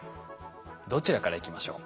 どちらからいきましょう？